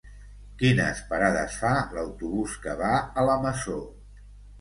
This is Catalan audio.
Quines parades fa l'autobús que va a la Masó?